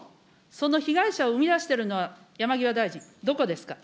その被害者を生み出してるのは、山際大臣、どこですか。